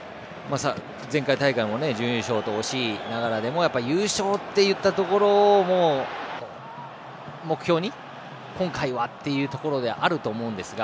前回大会も準優勝と惜しいながらでも優勝といったところも目標に今回はということがあると思うんですが。